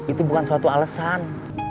itu bukan suatu alasan